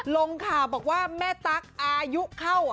ลงข่าวบอกว่าแม่ตั๊กอายุเข้า